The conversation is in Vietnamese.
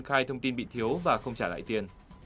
khai thông tin bị thiếu và không trả lại tiền